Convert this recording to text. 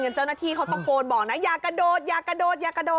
จริงเจ้าหน้าที่เขาต้องโกรธบอกนะอย่ากระโดด